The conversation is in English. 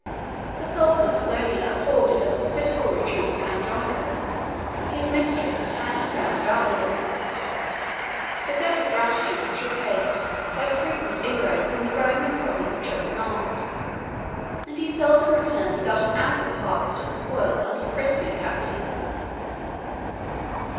The sultan of Colonia afforded a hospitable retreat to Andronicus, his mistress, and his band of outlaws: the debt of gratitude was paid by frequent inroads in the Roman province of Trebizond; and he seldom returned without an ample harvest of spoil and of Christian captives.